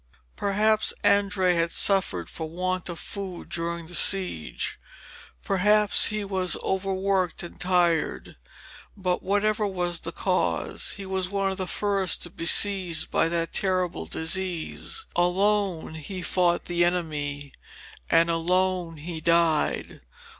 Perhaps Andrea had suffered for want of good food during the siege, perhaps he was overworked and tired; but, whatever was the cause, he was one of the first to be seized by that terrible disease. Alone he fought the enemy, and alone he died.